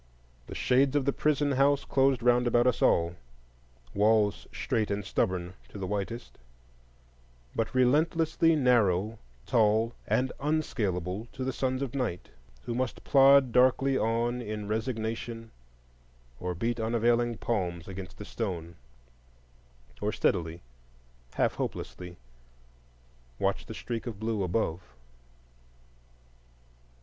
The shades of the prison house closed round about us all: walls strait and stubborn to the whitest, but relentlessly narrow, tall, and unscalable to sons of night who must plod darkly on in resignation, or beat unavailing palms against the stone, or steadily, half hopelessly, watch the streak of blue above.